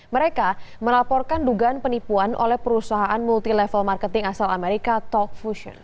mereka melaporkan dugaan penipuan oleh perusahaan multi level marketing asal amerika talk fusion